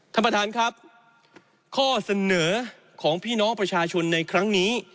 ท่านประธานครับข้อเสนอของพี่น้องประชาชนในครั้งนี้